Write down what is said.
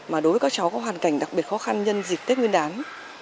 mà đối với các cháu có hoàn cảnh đặc biệt khó khăn nhân dịp tết nguyên đán